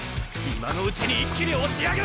今のうちに一気に押し上げろ！